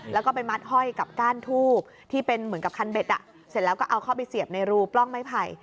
แล้วก็ไปมัดห้อยกับก้านทูบที่เป็นเหมือนกับคันเบ็ดอ่ะเสร็จแล้วก็เอาเข้าไปเสียบในรูปล้องไม้ไผ่